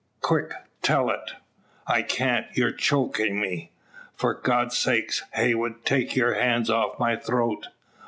Quick, tell it." "I can't; your chokin' me. For God's sake, Heywood, take your hand off my throat.